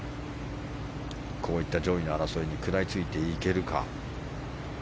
こういった上位に争いに食らいついていけるか。